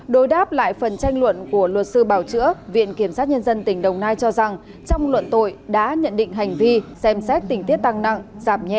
đối đáp lại phần tranh luận của luật sư bảo chữa viện kiểm sát nhân dân tỉnh đồng nai cho rằng trong luận tội đã nhận định hành vi xem xét tình tiết tăng nặng giảm nhẹ